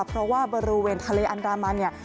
เพราะว่าบริเวณทะเลอันดามันเนี่ย